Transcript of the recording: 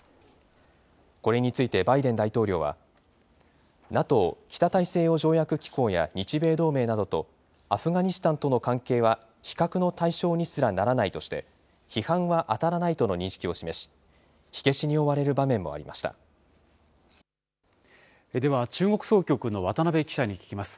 これについてバイデン大統領は、ＮＡＴＯ・北大西洋条約機構や日米同盟などと、アフガニスタンとの関係は比較の対象にすらならないとして、批判は当たらないとの認識を示し、火消しに追われる場面もありました。